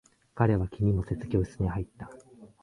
彼は気にもせず、教室に入った。